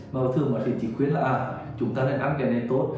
mà thường bác sĩ chỉ khuyết là chúng ta nên ăn cái này tốt